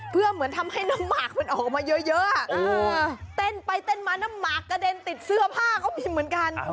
เพื่อเหมือนทำให้น้ำหมากมันออกมาเยอะเต้นไปเต้นมาน้ำหมากกระเด็นติดเสื้อผ้าก็มีเหมือนกัน